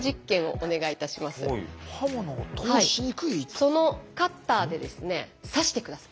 そのカッターでですね刺して下さい。